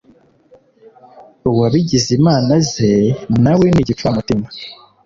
Uwabigize imana ze, na we ni igipfamutima!